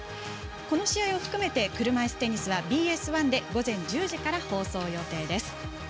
この試合を含めて車いすテニスはＢＳ１で午前１０時から放送予定です。